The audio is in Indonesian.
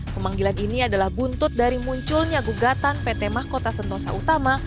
pemanggilan ini adalah buntut dari munculnya gugatan pt mahkota sentosa utama